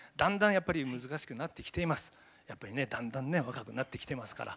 やっぱりねだんだん若くなってきていますから。